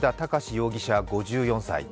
容疑者５４歳。